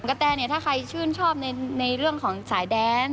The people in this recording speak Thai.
แตเนี่ยถ้าใครชื่นชอบในเรื่องของสายแดน